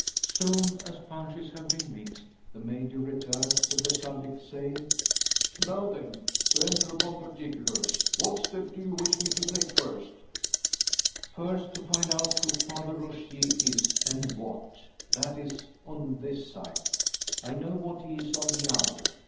Soon as punches have been mixed, the Major returns to the subject, saying "Now then; to enter upon particulars. What step do you wish me to take, first?" "First, to find out who Father Rogier is, and what. That is, on this side; I know what he is on the other.